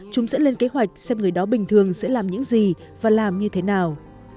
chúng sẽ lên kế hoạch xem người đó bình thường sẽ làm những gì và làm như thế nào